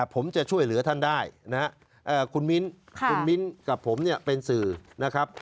ผมจะช่วยเหลือท่านได้นะครับคุณมิ้นคุณมิ้นกับผมเนี่ยเป็นสื่อนะครับ